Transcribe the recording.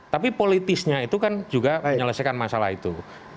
tapi politisnya itu kan juga menyelesaikan masalah itu